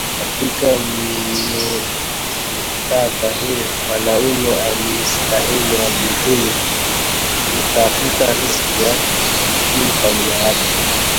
Katika mkutadha huu , mwanamume alistahili ajitume kutafuta riziki ya kukimu familia yake